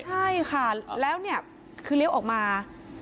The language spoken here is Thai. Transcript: ใช่ค่ะแล้วเนี่ยคือเลี้ยวออกมา